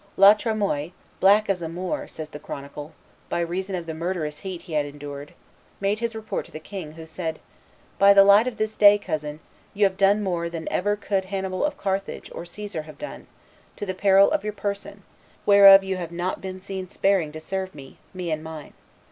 La Tremoille, "black as a Moor," says the chronicle, "by reason of the murderous heat he had endured, made his report to the king, who said, 'By the light of this day, cousin, you have done more than ever could Annibal of Carthage or Caesar have done, to the peril of your person, whereof you have not been sparing to serve me, me and mine.